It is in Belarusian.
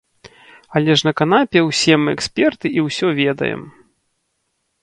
Але ж на канапе ўсе мы эксперты і ўсё ведаем.